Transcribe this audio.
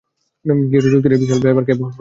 কিয়েটো চুক্তির এই বিশাল ব্যয়ভার কে বহন করবে?